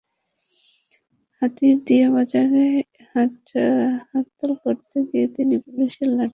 হাতিরদিয়া বাজারে হাট হরতাল করতে গিয়ে তিনি পুলিশের লাঠির আঘাতে আহত হয়েছিলেন।